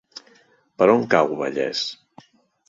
Per on cau Vallés?